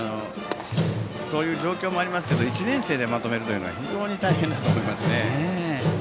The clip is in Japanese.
そういう状況もありますが１年生でまとめるというのは非常に大変だと思いますね。